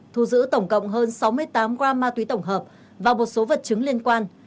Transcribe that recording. thu giữ tổng cộng hơn sáu mươi tám gram ma túy tổng hợp và một số vật chứng liên quan